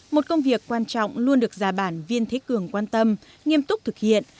một công việc quan trọng luôn được già bản viên thế cường quan tâm nghiêm túc thực hiện